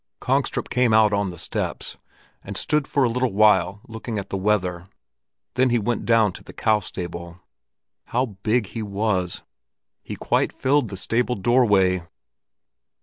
Kongstrup came out on to the steps, and stood for a little while looking at the weather; then he went down to the cow stable. How big he was! He quite filled the stable doorway.